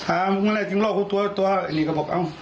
อ่ามึงแล้วจริงรอผมตัวตัวตัวอันนี้ก็บอกเอา